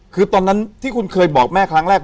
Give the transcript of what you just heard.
คือตอนนั้นที่คุณเคยบอกแม่ครั้งแรก